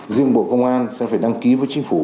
riêng bộ công an sẽ phải đăng ký với chính phủ